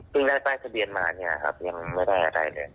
เพิ่งได้ป้ายสะเบียนมาอันนี้นะครับยังไม่ได้อะไรเลย